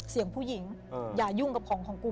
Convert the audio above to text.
เสียงผู้หญิงอย่ายุ่งกับของของกู